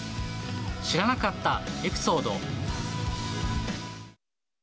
知らなかったエピソード。